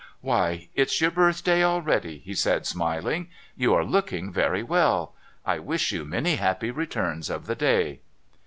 'Why, it's your birthday already,' he said, smiling. 'You arc looking very well. I wish you many happy returns of the day.'